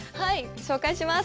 紹介します。